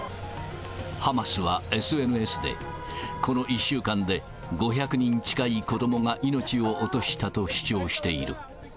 ハマスはＳＮＳで、この１週間で、５００人近い子どもが命を落としたと主張している。